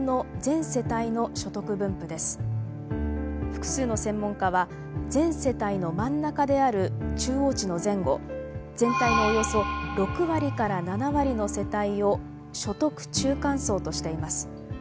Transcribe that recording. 複数の専門家は全世帯の真ん中である中央値の前後全体のおよそ６割から７割の世帯を所得中間層としています。